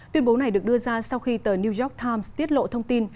tuyên bố này được đưa ra sau khi tờ new york times tiết lộ thông tin